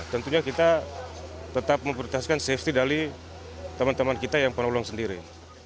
tentunya kita tetap memperintahkan safety dari teman teman kita yang penolong sendiri